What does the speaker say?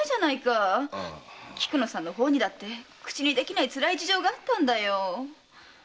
菊乃さんの方にも口にできないつらい事情があったんだよ。